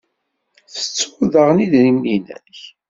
Tettuḍ daɣen idrimen-nnek?